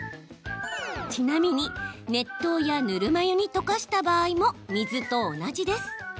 ちなみに、熱湯やぬるま湯に溶かした場合も水と同じです。